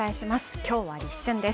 今日は立春です。